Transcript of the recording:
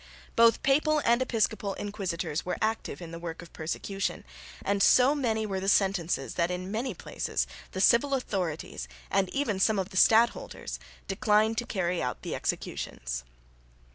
Both papal and episcopal inquisitors were active in the work of persecution, and so many were the sentences that in many places the civil authorities, and even some of the stadholders, declined to carry out the executions.